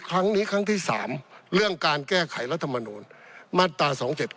ครั้งนี้ครั้งที่๓เรื่องการแก้ไขรัฐมนูลมาตรา๒๗๙